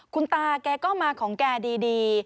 คุณตาแกก็มาของแกดี